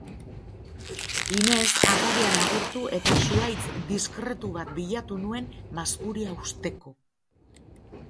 Inez atarian agurtu eta zuhaitz diskretu bat bilatu nuen maskuria husteko.